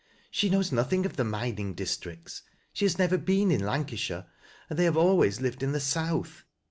She knows nothing of the mining dis tricts. She has never been in Lancashire, and they have always lived in the South.